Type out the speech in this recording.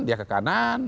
dia ke kanan